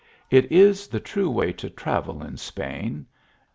It is the true way to travel in Srain.